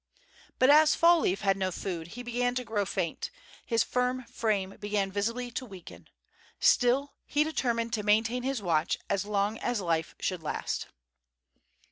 But, as Fall leaf had no food, he began to grow faint—his firm frame began visibly to weaken; still, he determined to maintain his watch as long as life should last.